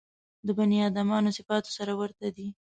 د بني ادمانو صفاتو سره ورته دي.